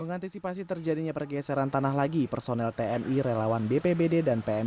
mengantisipasi terjadinya pergeseran tanah lagi personel tni relawan bpbd dan pm